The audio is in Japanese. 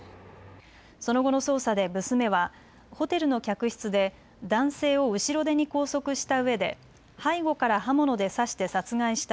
その後の捜査で娘はホテルの客室で男性を後ろ手に拘束したうえで背後から刃物で刺して殺害した